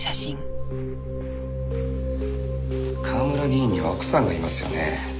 川村議員には奥さんがいますよね。